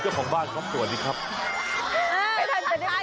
เขาทำกันใกล้เกินไปอ่ะ